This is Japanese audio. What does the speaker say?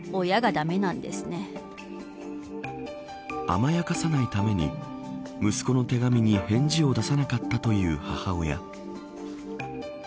甘やかさないために息子の手紙に返事を出さなかったという母親